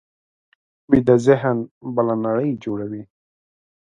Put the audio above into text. ویده ذهن بله نړۍ جوړوي